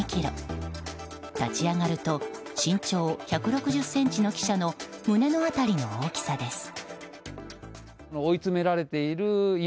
立ち上がると身長１６０ｃｍの記者の胸の辺りの大きさです。